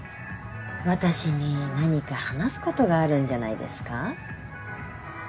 私に何か話すことがあるんじゃないですか？